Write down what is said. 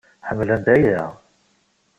Ḥemmlent aya.